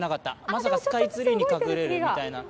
まさかスカイツリーに隠れるみたいな。